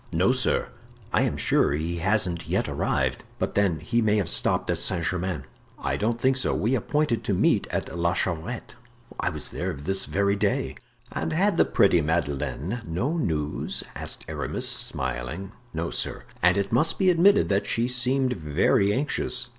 "No, sir; I am sure he hasn't yet arrived. But then he may have stopped at Saint Germain." "I don't think so; we appointed to meet at La Chevrette." "I was there this very day." "And had the pretty Madeleine no news?" asked Aramis, smiling. "No, sir, and it must be admitted that she seemed very anxious."